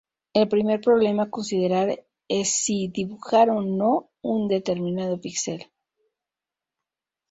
El primer problema a considerar es si dibujar o no un determinado píxel.